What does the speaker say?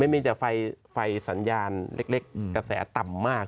มีแต่ไฟสัญญาณเล็กกระแสต่ำมาก